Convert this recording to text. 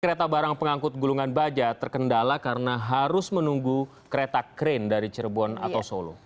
kereta barang pengangkut gulungan baja terkendala karena harus menunggu kereta krain dari cirebon atau solo